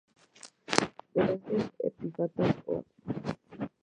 Terrestres, epífitas o acuáticas.